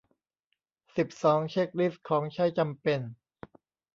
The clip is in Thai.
สิบสอง เช็กลิสต์ของใช้จำเป็น